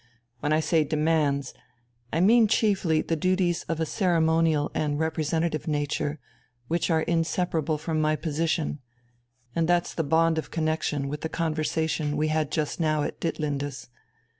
When I say 'demands,' I mean chiefly the duties of a ceremonial and representative nature which are inseparable from my position and that's the bond of connexion with the conversation we had just now at Ditlinde's.